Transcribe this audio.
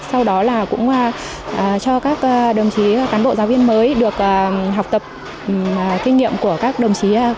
sau đó là cũng cho các đồng chí cán bộ giáo viên mới được học tập kinh nghiệm của các đồng chí cán bộ giáo viên cũ